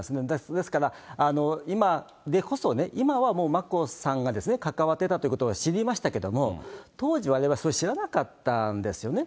ですから、今でこそね、今はもう、眞子さんが関わってたということが知れましたけれども、当時、われわれはそれ、知らなかったんですよね。